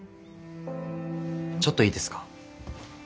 ちょっといいですか？